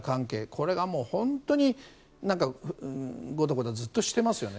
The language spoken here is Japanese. これがもう、本当にごたごたずっとしていますよね。